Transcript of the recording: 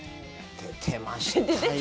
出てましたよ。